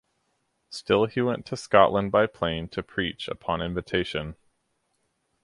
Still he went to Scotland by plane to preach upon invitation.